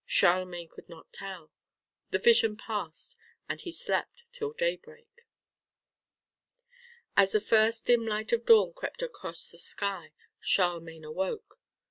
Charlemagne could not tell. The vision passed, and he slept till daybreak. As the first dim light of dawn crept across the sky, Charlemagne awoke.